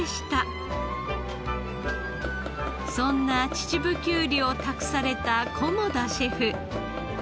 そんな秩父きゅうりを託された菰田シェフ。